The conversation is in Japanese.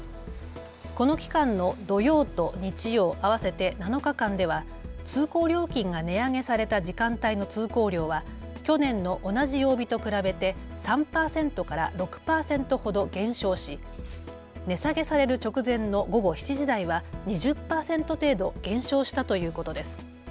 この期間の土曜と日曜、合わせて７日間では通行料金が値上げされた時間帯の通行量は去年の同じ曜日と比べて３％から６％ほど減少し値下げされる直前の午後７時台は２０％程度減少したということです。